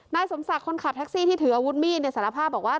นายสมศักดิ์คนขับแท็กซี่ที่ถืออาวุธมีดสารภาพบอกว่า